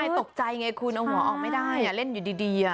ตกใจไงคุณเอาหัวออกไม่ได้เล่นอยู่ดี